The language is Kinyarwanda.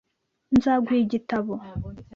Nzaguha igitabo .